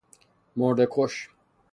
مرده کش